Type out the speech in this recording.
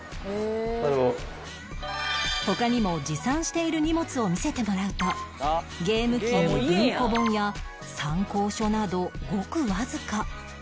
他にも持参している荷物を見せてもらうとゲーム機に文庫本や参考書などごくわずか